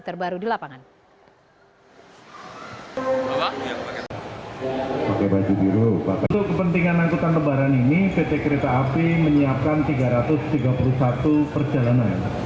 terbaru di lapangan